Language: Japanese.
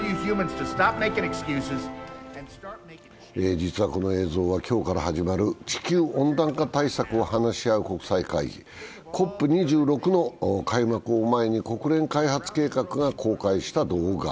実はこの映像は今日から始まる地球温暖化対策を話し合う国際会議・ＣＯＰ２６の開幕を前に国連開発計画が公開した動画。